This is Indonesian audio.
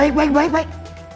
ya baik baik baik